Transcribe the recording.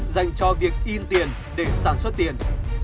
dành cho việc in tiền để sản xuất tiền